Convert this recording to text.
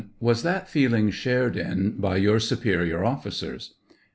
Was that feeling shared in by your superior oflBcers